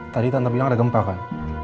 tadi tante bilang ada gempa kan